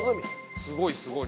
◆すごいすごい。